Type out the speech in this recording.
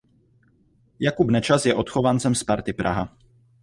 Jakub Nečas je odchovancem Sparty Praha.